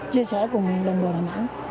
chia sẻ cùng đồng bào đà nẵng